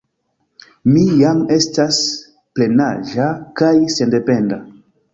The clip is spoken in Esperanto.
Mi jam estas plenaĝa kaj sendependa.